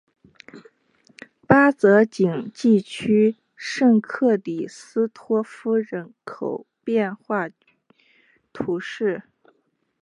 巴泽勒地区圣克里斯托夫人口变化图示